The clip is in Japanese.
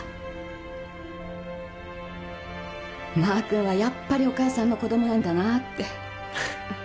まー君はやっぱりお母さんの子供なんだなぁって。